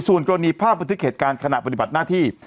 ส่วนกรณีภาพบันทึกเหตุการณ์ขณะปฏิบัติหน้าที่